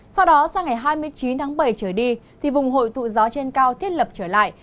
sau đó sang ngày hai mươi chín tháng bảy trở đi thì vùng hội tụ gió trên cao thiết lập trở lại